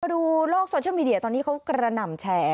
ดูโลกโซเชียลมีเดียตอนนี้เขากระหน่ำแชร์